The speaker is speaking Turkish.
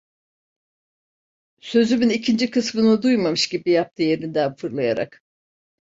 Sözümün ikinci kısmını duymamış gibi yaptı, yerinden fırlayarak…